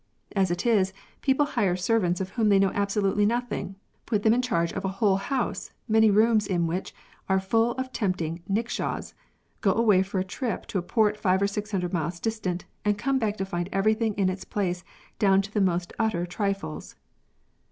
As it is, people hire servants of whom they know absolutely nothing, put them in charge of a whole house many rooms in which are full of tempting kickshaws, go away for a trip to a port five or six hundred miles distant, and come back to find everything in its place down to the mdst utter trifles.